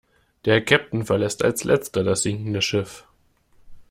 Der Kapitän verlässt als Letzter das sinkende Schiff.